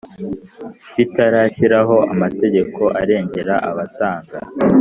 bitarashyiraho amategeko arengera abatanga